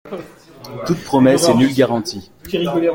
Toute promesse et nulle garantie.